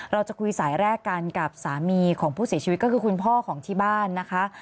เราจะคุยสายแรกกันกับสามีของผู้เสียชีวิตก็คือคุณพ่อของที่บ้านนะคะ